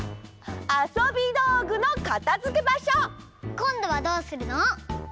こんどはどうするの？